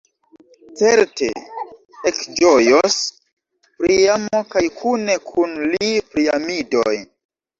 Certe, ekĝojos Priamo kaj kune kun li Priamidoj.